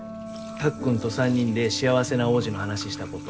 たっくんと３人で幸せな王子の話したこと。